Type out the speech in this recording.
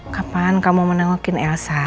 kapan kamu menengokin elsa